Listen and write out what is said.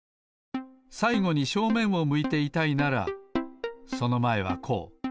さいごに正面を向いていたいならそのまえはこう。